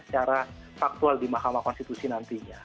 secara faktual di mahkamah konstitusi nantinya